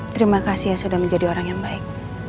terima kasih ya sudah menjadi orang yang baik